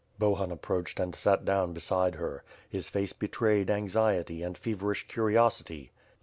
Bohun approached and sat down beside her. His face be trayed anxiety and feverish curiosity.